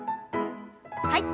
はい。